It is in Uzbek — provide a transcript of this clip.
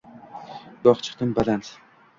Goh chiqdim baland